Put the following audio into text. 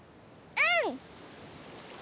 うん？